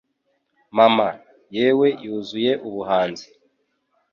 Mama (yewe Yuzuye ubuhanzi)